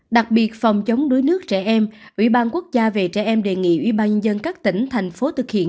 đặc biệt phòng chống đuối nước trẻ em ủy ban quốc gia về trẻ em đề nghị ủy ban nhân dân các tỉnh thành phố thực hiện